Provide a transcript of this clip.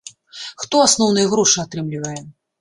Хто асноўныя грошы атрымлівае?